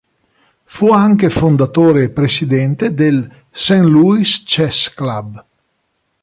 Fu anche fondatore e presidente del "Saint Louis Chess Club".